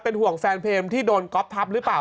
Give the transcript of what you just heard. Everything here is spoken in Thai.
ห่วงแฟนเพลงที่โดนก๊อฟทับหรือเปล่า